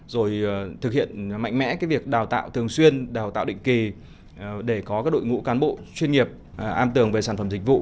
rồi thực hiện mạnh mẽ cái việc đào tạo thường xuyên đào tạo định kỳ để có cái đội ngũ cán bộ chuyên nghiệp an tường về sản phẩm dịch vụ